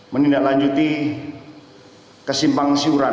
menindaklanjuti kesimpang siuran